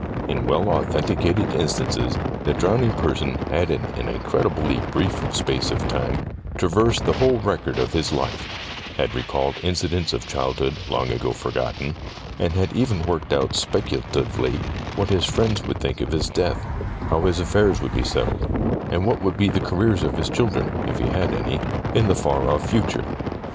In well authenticated instances the drown ing person had in an incredibly brief space of time traversed the whole record of his life ; had recalled incidents of child hood long ago forgotten, and had even worked out speculatively what his friends would think of his death, how his affairs would be settled, and what would be the careers of his children ■— if he had any — in the far off future.